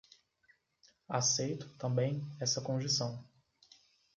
Aceito, também, essa condição.